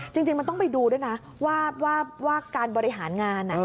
จริงมันต้องไปดูด้วยนะว่าการบริหารงาน